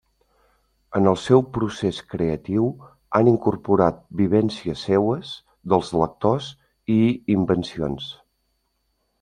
En el seu procés creatiu han incorporat vivències seues, dels lectors i invencions.